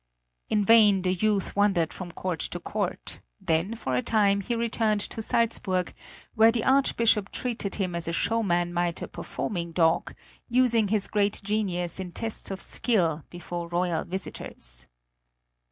In vain the youth wandered from court to court; then for a time he returned to Salzburg, where the Archbishop treated him as a showman might a performing dog, using his great genius in tests of skill before royal visitors.